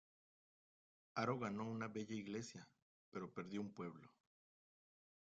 Haro ganó una bella iglesia, pero perdió un pueblo.